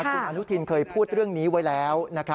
คุณอนุทินเคยพูดเรื่องนี้ไว้แล้ว